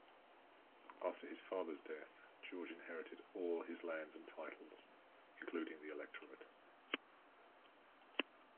After his father's death, George inherited all his lands and titles, including the electorate.